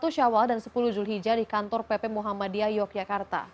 satu syawal dan sepuluh julhijjah di kantor pp muhammadiyah yogyakarta